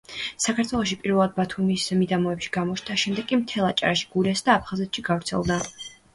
საქართველოში პირველად ბათუმის მიდამოებში გამოჩნდა, შემდეგ კი მთელ აჭარაში, გურიასა და აფხაზეთში გავრცელდა.